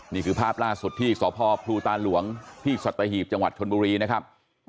นี่คือภาพล่าสดที่สพพตหลวงพสตหีบจชนบุรีนะครับ